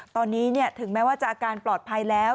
ตอนนี้ถึงแม้ว่าจะอาการปลอดภัยแล้ว